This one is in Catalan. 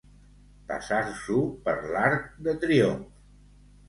Passar-s'ho per l'arc de triomf.